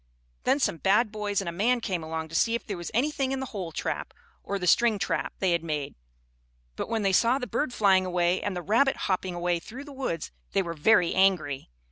Then some bad boys and a man came along to see if there was anything in the hole trap, or the string trap they had made; but when they saw the bird flying away and the rabbit hopping away through the woods they were very angry.